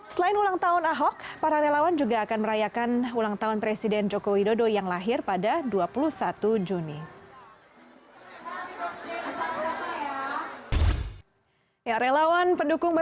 selain ulang tahun ahok para relawan juga akan merayakan ulang tahun presiden joko widodo yang lahir pada dua puluh satu juni